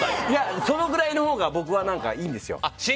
そのくらいのほうが僕はいいんですよ。